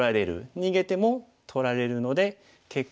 逃げても取られるので結果